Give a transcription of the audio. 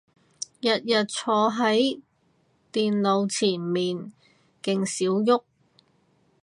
日日坐係電腦前面勁少郁